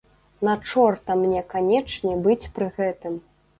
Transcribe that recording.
На чорта мне канечне быць пры гэтым.